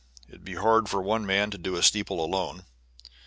It would be hard for one man to do a steeple alone.